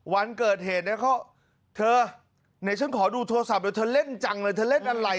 วันเกิดเหตุเนี่ยเธอไหนฉันขอดูโทรศัพท์เดี๋ยวเธอเล่นจังเลยเธอเล่นอะไร